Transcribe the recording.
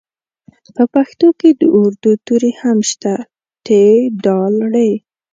په پښتو کې د اردو توري هم شته ټ ډ ړ